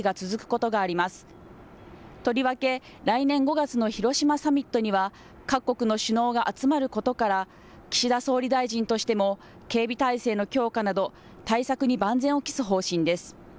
とりわけ来年５月の広島サミットには各国の首脳が集まることから岸田総理大臣としても警備体制の強化など対策に万全を期す方針です。